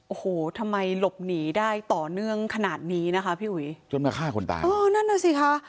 โอ้โหทำไมหลบหนีได้ต่อเนื่องขนาดนี้นะคะพี่อุ๋ยจนมาฆ่าคนตายอ๋อนั่นน่ะสิคะ